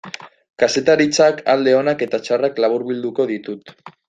Kazetaritzak alde onak eta txarrak laburbilduko ditut.